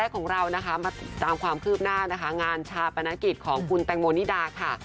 ของเรานะคะมาติดตามความคืบหน้านะคะงานชาปนกิจของคุณแตงโมนิดาค่ะ